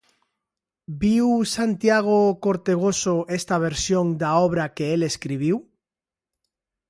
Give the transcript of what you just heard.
Viu Santiago Cortegoso esta versión da obra que el escribiu?